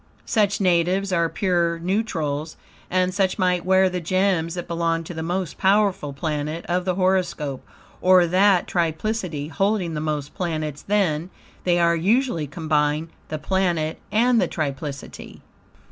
Such natives are pure neutrals, and such might wear the gems that belong to the most powerful planet of the horoscope, or that triplicity holding the most planets; then, they are usually combined, the planet and the triplicity.